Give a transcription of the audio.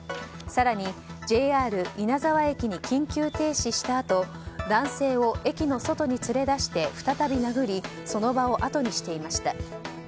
更にＪＲ稲沢駅に緊急停止したあと男性を駅の外に連れ出して再び殴りその場をあとにしていました。